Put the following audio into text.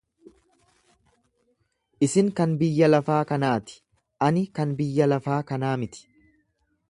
Isin kan biyya lafaa kanaa ti, ani kan biyya lafaa kanaa miti.